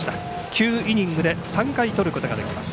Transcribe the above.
９イニングで３回とることができます。